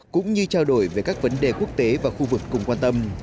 cũng như trao đổi về các vấn đề quốc tế và khu vực cùng quan tâm